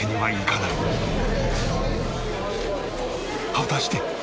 果たして。